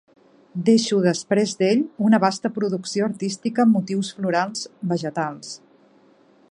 Deixo després d'ell, una vasta producció artística amb motius florals, vegetals.